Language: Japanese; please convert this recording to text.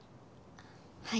はい。